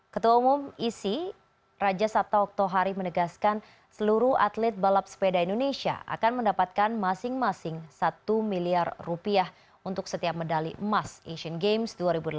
ketua umum isi raja sabta oktohari menegaskan seluruh atlet balap sepeda indonesia akan mendapatkan masing masing satu miliar rupiah untuk setiap medali emas asian games dua ribu delapan belas